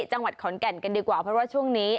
จังหวัดขอนแก่นกันดีกว่าเพราะว่าช่วงนี้